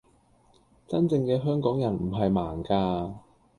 真正嘅香港人唔係盲㗎